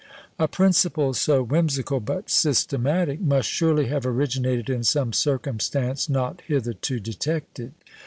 A principle so whimsical but systematic must surely have originated in some circumstance not hitherto detected.